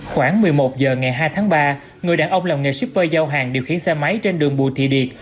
khoảng một mươi một h ngày hai tháng ba người đàn ông làm nghề shipper giao hàng điều khiển xe máy trên đường bùi thị điệt